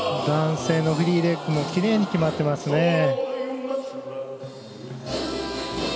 男性のフリーレッグもきれいに決まっていますね。